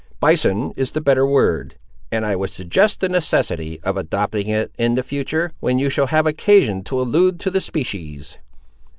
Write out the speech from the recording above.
Bison is the better word; and I would suggest the necessity of adopting it in future, when you shall have occasion to allude to the species."